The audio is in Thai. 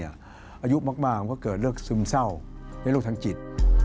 อายุมากก็เกิดเลิกซึมเศร้าในโรคทางจิต